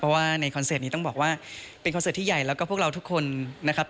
เพราะว่าในคอนเสิร์ตนี้ต้องบอกว่าเป็นคอนเสิร์ตที่ใหญ่แล้วก็พวกเราทุกคนนะครับ